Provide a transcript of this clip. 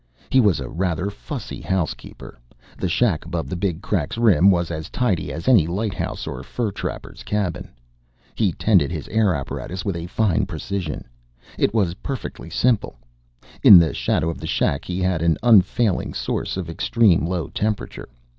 He was a rather fussy housekeeper. The shack above the Big Crack's rim was as tidy as any lighthouse or fur trapper's cabin. He tended his air apparatus with a fine precision. It was perfectly simple. In the shadow of the shack he had an unfailing source of extreme low temperature.